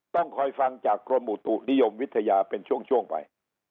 ต้องคอยฟังจากกรมอุตุนิยมวิทยาเป็นช่วงไป